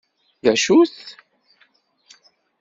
D acu-t?